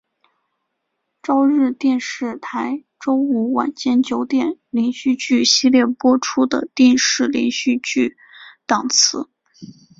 朝日电视台周五晚间九点连续剧系列播出的电视连续剧档次。